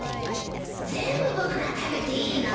全部僕が食べていいの？